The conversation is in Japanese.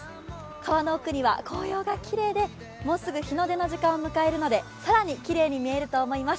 川の奥には紅葉がきれいでもうすぐ日の出の時間を迎えるので更にきれいに見えると思います。